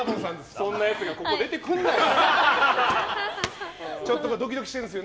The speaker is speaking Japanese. そんなやつがここに出てくるなよ！